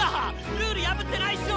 ルール破ってないっしょ！